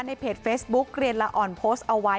ในเพจเฟซบุ๊กเรียนละอ่อนโพสต์เอาไว้